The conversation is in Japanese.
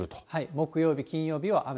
木曜日、金曜日は雨。